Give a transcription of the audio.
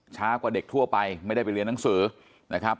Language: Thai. ช้ากว่าเด็กทั่วไปไม่ได้ไปเรียนหนังสือนะครับ